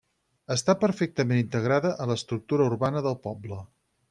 Està perfectament integrada a l'estructura urbana del poble.